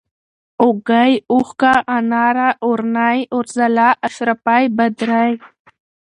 اوږۍ ، اوښکه ، اناره ، اورنۍ ، اورځلا ، اشرفۍ ، بدرۍ